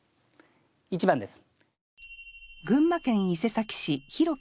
１番です。